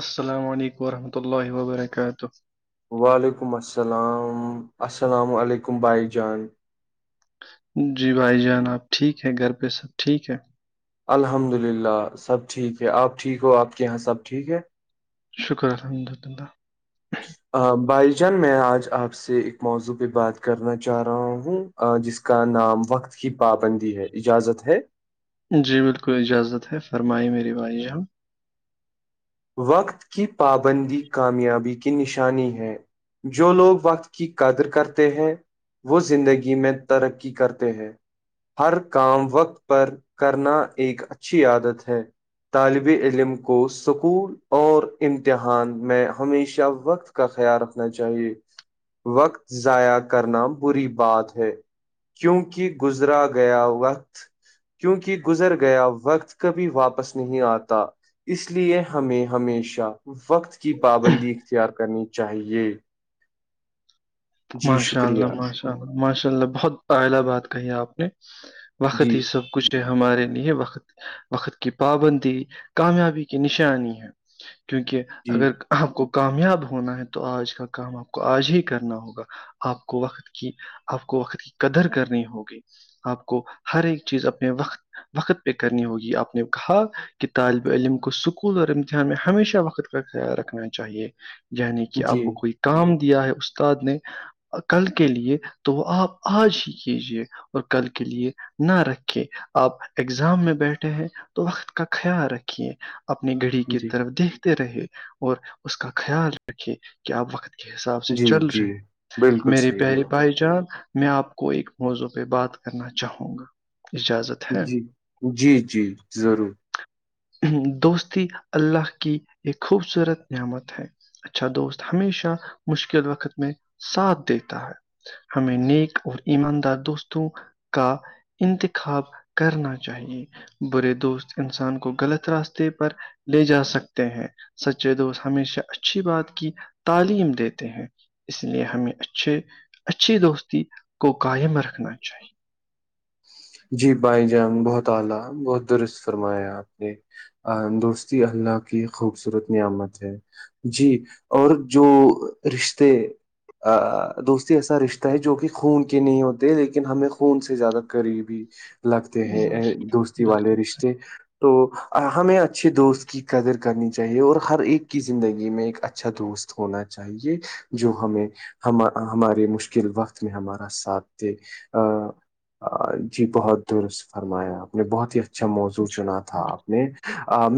السلام علیکم وورحمۃ اللہ وبرکاتہ وعلیکم السلام السلام علیکم بھائی جان جی بھائی جان آپ ٹھیک ہے گھر پہ سب ٹھیک ہے الحمد للہ سب ٹھیک ہے آپ ٹھیک ہو آپ کے یہاں سب ٹھیک ہے شکر الحمد للہ بھائی جان میں آج آپ سے ایک موضوع پہ بات کرنا چاہ رہا ہوں جس کا نام وقت کی پابندی ہے اجازت ہے جی بالکل اجازت ہے فرمائی میری بائی ہم وقت کی پابندی کامیابی کی نشانی ہے جو لوگ وقت کی قدر کرتے ہیں وہ زندگی میں ترقی کرتے ہیں ہر کام وقت پر کرنا ایک اچھی عادت ہے طالب علم کو سکول اور امتحان میں ہمیشہ وقت کا خیال رکھنا چاہیے وقت ضائع کرنا بری بات ہے کیونکہ گزرا گیا وقت کیونکہ گزر گیا وقت کبھی واپس نہیں آتا اس لیے ہمیں ہمیشہ وقت کی پابندی اختیار کرنی چاہیے [unintelligible] جی شکریہ جی کچھ ہمارے لیے وقت وقت کی پابندی کامیابی کی نشانی ہے کیونکہ جی اگر آپ کو کامیاب ہونا ہے تو آج کا کام آپ کو آج ہی کرنا ہوگا آپ کو وقت کی آپ کو وقت کی قدر کرنی ہوگی آپ کو ہر ایک چیز اپنے وقت وقت پہ کرنی ہوگی آپ نے کہا کہ طالب علم کو سکول اور امتحان میں ہمیشہ وقت کا خیال رکھنا چاہیے یعنی کہ جی آپ کو کوئی کام دیا ہے استاد نے کل کے لیے تو وہ آپ آج ہی کیجیے اور کل کے لیے نہ رکھے آپ اگزام میں بیٹھے ہیں تو وقت کا خیال رکھیے اپنی گھڑی کی جی طرف دیکھتے رہے اور اس کا خیال رکھے کہ آپ وقت کے حساب سے جی چل جی رہے بالکل میے صحیح بالکل پیاری بھائی جان میں آپ کو ایک موضوع پہ بات کرنا چاہوں گا اجازت ہے جی جی جی ضرور دوستی اللہ کی ایک خوبصورت نعمت ہے اچھا دوست ہمیشہ مشکل وقت میں ساتھ دیتا ہے ہمیں نیک اور ایماندار دوستوں کا انتخاب کرنا چاہیے برے دوست انسان کو غلط راستے پر لے جا سکتے ہیں سچے دوست ہمیشہ اچھی بات کی تعلیم دیتے ہیں اس لیے ہمیں اچھے اچھی دوستی کو قائم رکھنا چاہیے [unintelligible] ا درستی اللہ کی خوبصورت نعمت ہے جی اور جو رشتے دوستی ایسا رشتہ ہے جو کہ خون کے نہیں ہوتے لیکن ہمیں خون سے زیادہ قریبی لگتے چاہیے ہیں دوستی والے بالکل رشتے تو ہمیں اچھے دوست کی قدر کرنی چاہیے اور ہر ایک کی زندگی میں ایک اچھا دوست ہونا چاہیے جو ہمیں ہم ہمارے مشکل وقت میں ہمارا ساتھ دے ہ جی بہت درست فرمایا آپ نے بہت ہی اچھا موضوع سچ چنا تھا آپ نے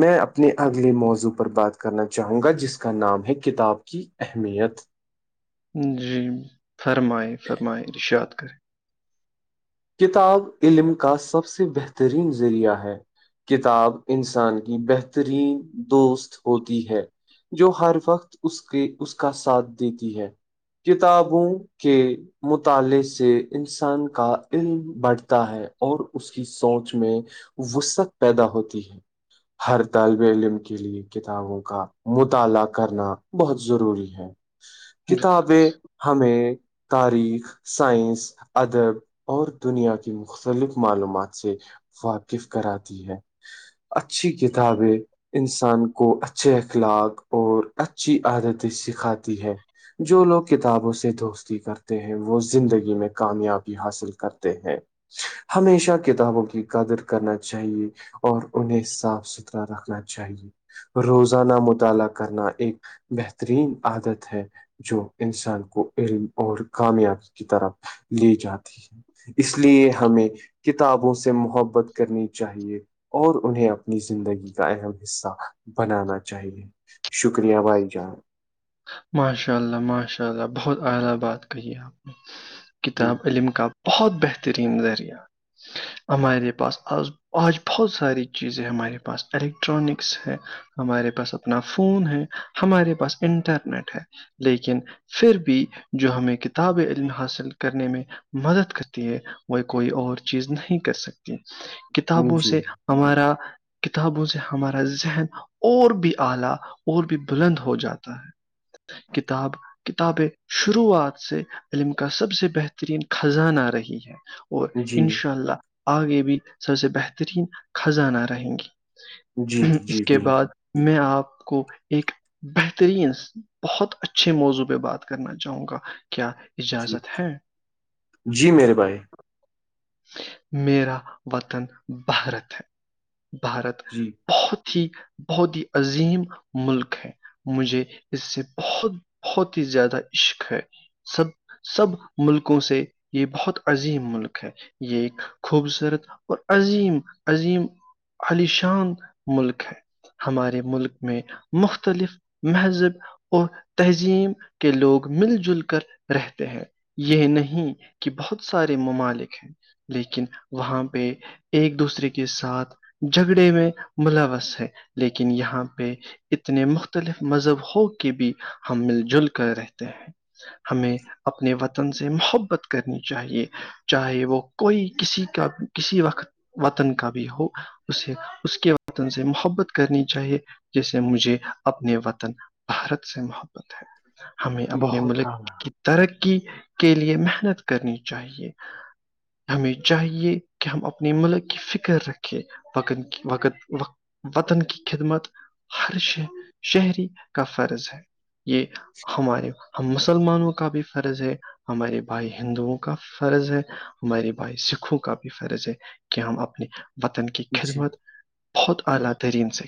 میں اپنے اگلے موضوع پر بات کرنا چاہوں گا جس کا نام ہے کتاب کی اہمیت جی فرمائیں فرمائیں ارشاط کریں کتاب علم کا سب سے بہترین ذریعہ ہے کتاب انسان کی بہترین دوست ہوتی ہے جو ہر وقت اس کے اس کا ساتھ دیتی ہے کتابوں کے مطالعے سے انسان کا علم بڑھتا ہے اور اس کی سوچ میں وست پیدا ہوتی ہے ہر طالب علم کے لیے کتابوں کا مطالعہ کرنا بہت ضروری ہے کتابیں ہمیں تاریخ سائنس ادب اور دنیا کی مختلف معلومات سے واقف کراتی ہے اچھی کتابیں انسان کو اچھے اخلاق اور اچھی عادتیں سکھاتی ہے جو لوگ کتابوں سے دوستی کرتے ہیں وہ زندگی میں کامیابی حاصل کرتے ہیں ہمیشہ کتابوں کی قدر کرنا چاہیے اور انہیں صاف جترح رکھنا چاہیے روزانہ مطالعہ کرنا ایک بہترین عادت ہے جو انسان کو علم اور کامیابی کی طرف لے جاتی ہے اس لیے ہمیں کتابوں سے محبت کرنی چاہیے اور انہیں اپنی زندگی کا اہم حصہ بنانا چاہیے شکریہ بھائی جان ماشاء اللہ ماشاء اللہ بہت اعلی بات کہی ہے آپ نے جی کتاب علم کا بہت بہترین ذریعہ ہمارے پاس آ آج بہت ساری چیزیں ہمارے پاس الیکٹرانکس ہیں ہمارے پاس اپنا فون ہے ہمارے پاس انٹرنیٹ ہے لیکن پھر بھی جو ہمیں کتاب علم حاصل کرنے میں مدد کرتی ہے وہ کوئی اور چیز نہیں کر سکتی کتابوں جی سے ہمارا کتابوں سے ہمارا ذہن اور بھی اعلی اور بھی بلند ہو جاتا کتاب کتابیں شروعات سے علم کا سب سے بہترین خزانہ آ رہی ہے اور جی انشاء اللہ آگے بھی سب سے بہترین خزانہ رہیں جی گی اس جی کے بعد بالکل میں آپ کو ایک بہتر ترین بہت اچھے موضوع پہ بات کرنا چاہوں گا کیا ج اجازت ہے جی میرے بھائی میرا وطن بھارت ہے بھارت جی بہت ہی بہت ہی عظیم ملک ہے مجھے اس سے بہت بہت ہی زیادہ عشق ہے سب سب ملکوں سے یہ بہت عظیم ملک ہے یہ ایک خوبصورت اور عظیم عظیم علیشان ملک ہے ہمارے ملک میں مختلف مہذب اور تہظیم کے لوگ مل جل کر رہتے ہیں یہ نہیں کہ بہت سارے ممالک ہیں لیکن وہاں پہ ایک دوسرے کے ساتھ جھگڑے میں ملوث ہے لیکن یہاں پہ اتنے مختلف مذہب ہو کے بھی ہم مل جل کر رہتے ہیں ہمیں اپنے وطن سے محبت کرنی چاہیے چاہے وہ کوئی کسی کا کسی وقت وطن کا بھی ہو اسے اس کے وطن سے محبت کرنی چاہیے جیسے مجھے اپنے وطن بھارت سے مہ ہمیں اپنے بہت ملک آنا کی ترقی کے لیے محنت کرنی چاہیے ہمیں چاہیے کہ ہم اپنی ملک کی فکر رکھیں وقت وقت وطن کی خدمت ہر ش شہری کا فرض ہے یہ ہمارے ہم مسلمانوں کا بھی فرض ہے ہمارے بھائی ہندوؤں کا فرض ہے ہمے بھائی سکھوں کا بھی فرض ہے کہ ہم اپنے وطن کی جی خدمت بہت اعلی ترین سے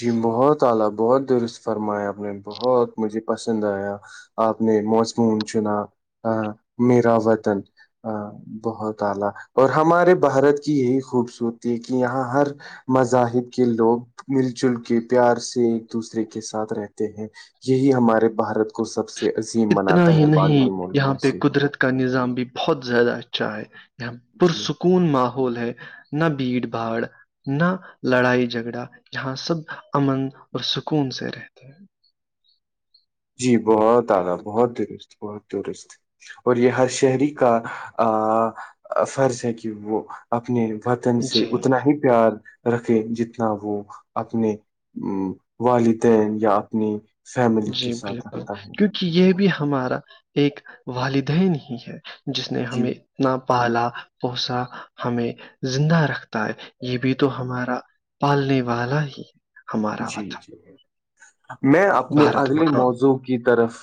جی بہت اعلی بہت درست فرمایا آپ نے بہت مجھے پسند آیا آپ نے موسمون چنا میرا وطن ا بہت اعلی اور ہمارے بھارت کی یہی خوبصورتی ہے کہ یہاں ہر مذاہب کے لوگ مل جل کے پیار سے ایک دوسرے کے ساتھ رہتے ہیں یہی ہمارے بھارت کو سب سے عظیم اتنا بناتا ہی ہے نہیں باقی یہاں ملکوں پہ سے قدرت کا نظام بھی بہت زیادہ اچھا ہے یہاں جی پرسکون ماحول ہے نہ بھیڑ بھاڑ نہ لڑائی جھگڑا یہاں سب امن اور سکون سے رہتے ہیں جی بہت آعدا بہت درست بہت درست اور یہ ہر شہری کا فرض ہے کہ وہ اپنے وطن ہیں سے جی اتنا ہی پیار رکھے جتنا وہ اپنے والدین یا اپنی فیم جی بالکل کیونکہ یہ بھی ہمارا ایک والدین ہی ہے جس نے جی ہمیں اپنا پالا پوسا ہمیں زندہ رکھتا ہے یہ بھی تو ہمارا پالنے والا ہی ہمارا جی وطن جی میں اپنے بھارت اگلے ماں موضوع کی طرف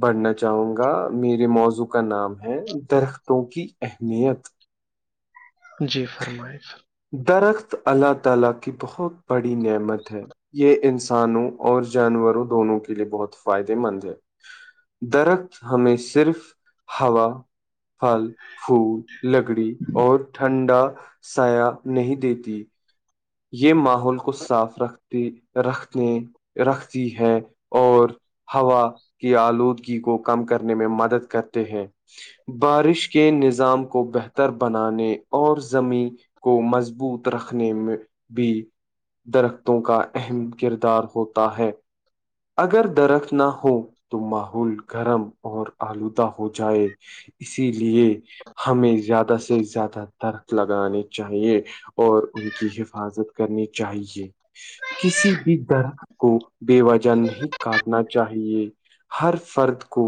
بڑھنا چاہوں گا میرے موضوع کا نام ہے درختوں کی اہمیت جی فرمائش درخت اللہ تعالی کی بہت بڑی نعمت ہے یہ انسانوں اور جانوروں دونوں کے لیے بہت فائدے مند ہے درخت ہمیں صرف ہوا پھل پھول لکڑی اور ٹھنڈا سایا نہیں دیتی یہ ماحول کو صاف رکھتے رکھنے رکھتی ہے اور ہوا کی آلودگی کو کم کرنے میں مدد کرتے ہیں بارش کے نظام کو بہتر بنانے اور زمیں کو مضبوط رکھنے میں بھی درختوں کا اہم کردار ہوتا ہے اگر درخت نہ ہو تو ماحول گرم اور آلودہ ہو جائے اسی لیے ہمیں زیادہ سے زیادہ ترک لگانے چاہیے اور ان کی حفظ حفاظت کرنی چاہیے کسی بھی درخت کو بے وجہ نہیں کاٹنا چاہیے ہر فرد کو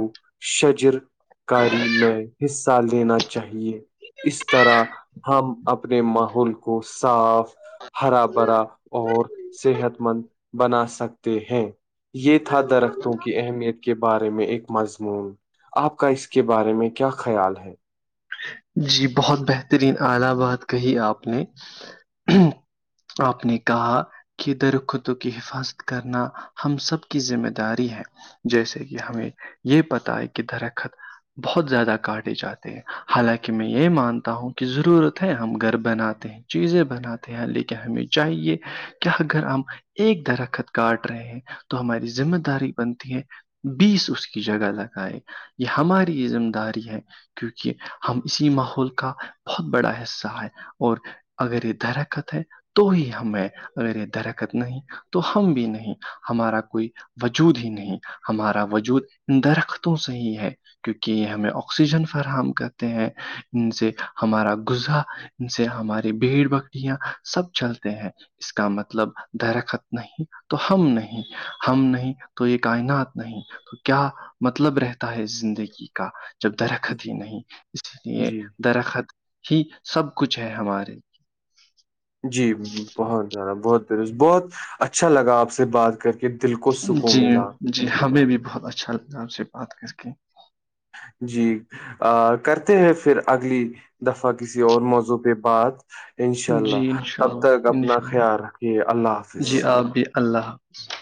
شجر کاری میں حصہ لینا چاہیے اس طرح ہم اپنے ماحول کو صاف ہرا بھرا اور صحت مند بنا سکتے ہیں یہ تھا درختوں کی اہمیت کے بارے میں ایک مضمون آپ کا اس کے بارے میں کیا خیال ہے جی بہت بہترین اعلا بات کہی آپ نے آپ نے کہا کی درختوں کی حفاظت کرنا ہم سب کی ذمہ داری ہے جیسے کہ ہمیں یہ پتا ہے کہ درخت بہت زیادہ کاٹے جاتے ہیں حالانکہ میں یہ مانتا ہوں کہ ضرورت ہے ہم گھر بناتے ہیں چیزیں بناتے ہیں لیکن ہمیں چاہیے کہ اگر ہم ایک درخت کاٹ رہے ہیں تو ہماری ذمہ داری بنتی ہے بیس اس کی جگہ لگائے یہ ہماری ذمہ داری ہے کیونکہ ہم اسی ماحول کا بہت بڑا حصہ ہے اور اگر یہ درخت ہے تو ہی ہمیں اگر یہ درخت نہیں تو ہم بھی نہیں ہمارا کوئی وجود ہی نہیں ہمارا وجود درختوں سے ہی ہے کیونکہ یہ ہمیں آکسیجن فراہم کرتے ہیں ان سے ہمارا غذا ان سے ہماری بھیڑ بکریاں سب چلتے ہیں اس کا مطلب درخت نہیں تو ہم نہیں ہم نہیں تو یہ کائنات نہیں تو کیا مطلب رہتا ہے زندگی کا جب درخت ہی جی نہیں اس لیے جی درخت ہی سب کچھ ہے ہمارے جی بہت زیادہ بہت درست بہت اچھا لگا آپ سے بات کر کے دل کو سکون جی ملا جی ہمیں بھی بہت اچھا لگتا آپ سے بات کر کے جی کرتے ہیں پھر اگلی دفعہ کسی اور موضوع پہ بات انشاء جی، اللہ تب انشاءاللہ، تک اپنا خیال رکھیے اللہ حافظ ابی اللہ ج